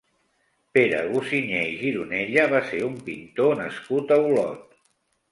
Pere Gussinyé i Gironella va ser un pintor nascut a Olot.